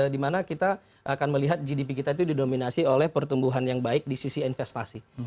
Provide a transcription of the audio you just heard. dimana kita akan melihat gdp kita itu didominasi oleh pertumbuhan yang baik di sisi investasi